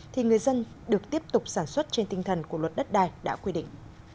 thì người dân được tiếp tục sản xuất trên tinh thần của luật đất đai đã quy định